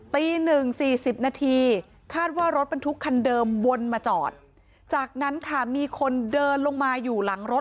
ตีหนึ่งสี่สิบนาทีคาดว่ารถบรรทุกคันเดิมวนมาจอดจากนั้นค่ะมีคนเดินลงมาอยู่หลังรถ